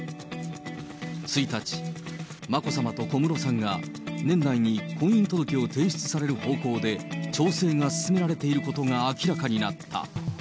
１日、眞子さまと小室さんが年内に婚姻届を提出される方向で調整が進められていることが明らかになった。